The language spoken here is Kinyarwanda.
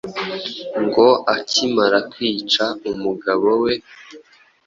ngo akimara kwica umugabo we